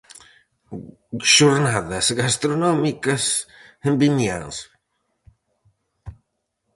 Xornadas gastronómicas en Vimianzo.